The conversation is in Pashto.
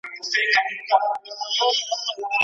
اوس به څوك د ارغسان پر څپو ګرځي